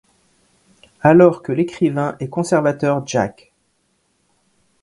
Alors que l'écrivain et conservateur Jac.